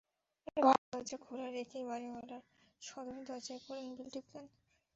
ঘরের দরজা খোলা রেখেই বাড়িওয়ালার সদর দরজায় কলিংবেল টিপলেন।